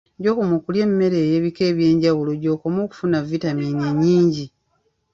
Gy'okoma okulya emmere ey'ebika eby'enjawulo gy'okoma okufuna vitamiini ennyingi